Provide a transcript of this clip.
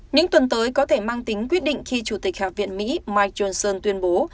những tuần tới có thể mang tính quyết định khi chủ tịch hạ viện mỹ mike johnson tuyên bố